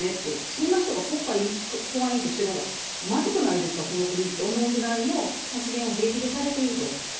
そんな人が国家公安委員長してる方がまずくないですか、この国という発言を平気でされている。